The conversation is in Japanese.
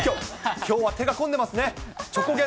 きょうは手がこんでますね。